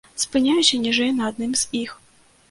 Спынюся ніжэй на адным з іх.